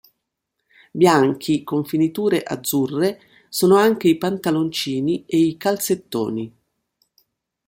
Bianchi con finiture azzurre sono anche i pantaloncini e i calzettoni.